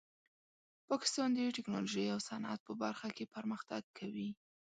پاکستان د ټیکنالوژۍ او صنعت په برخه کې پرمختګ کوي.